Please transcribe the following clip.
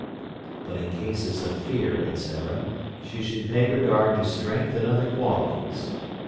But in cases of fear, etc., she should pay regard to strength and other qualities.